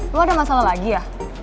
belum ada masalah lagi ya